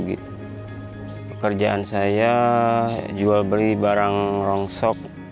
pekerjaan saya jual beli barang rongsok